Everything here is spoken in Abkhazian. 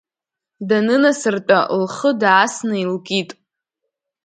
Данынасыртәа, лхы даасны илкит.